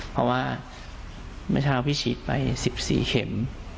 เพราะว่าเมื่อเช้าพี่ฉีดไป๑๔เข็ม